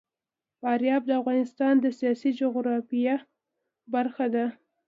فاریاب د افغانستان د سیاسي جغرافیه برخه ده.